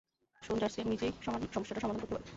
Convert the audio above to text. শোন ডার্সি, আমি নিজেই সমস্যাটা সমাধান করতে পারব।